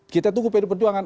kita tunggu pd perjuangan